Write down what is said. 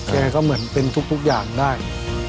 แกก็เหมือนเป็นทุกอย่างได้